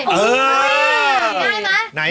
อื้อง่ายไหม